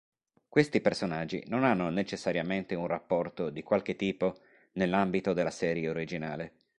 Questi personaggi non hanno necessariamente un rapporto di qualche tipo nell'ambito della serie originale.